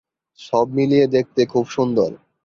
সব মিলিয়ে দেখতে খুব সুন্দর।